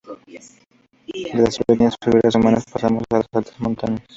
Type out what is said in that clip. De las pequeñas figuras humanas pasamos a las altas montañas.